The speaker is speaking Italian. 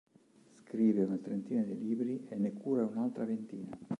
Scrive una trentina di libri e ne cura un'altra ventina.